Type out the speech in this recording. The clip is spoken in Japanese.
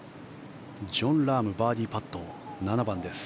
ジョン・ラームバーディーパット、７番です。